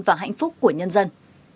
và hạnh phúc của nhân dân